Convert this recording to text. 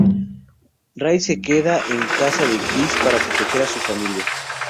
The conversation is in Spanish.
Ray se queda en casa de Chris para proteger a su familia.